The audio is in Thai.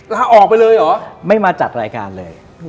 ลาออกไปเลยเหรอไม่มาจัดรายการเลย